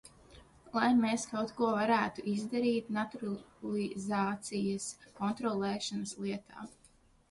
Lai mēs kaut ko varētu izdarīt naturalizācijas kontrolēšanas lietā.